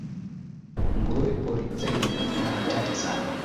nguruwe pori zaidi na mara chache sana